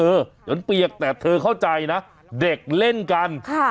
เหมือนเปียกแต่เธอเข้าใจนะเด็กเล่นกัน